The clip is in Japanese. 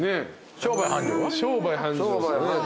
商売繁盛は？